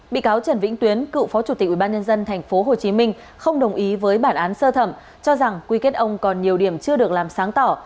bị cáo trần vĩnh tuyến cựu phó chủ tịch ubnd tp hcm không đồng ý với bản án sơ thẩm cho rằng quy kết ông còn nhiều điểm chưa được làm sáng tỏ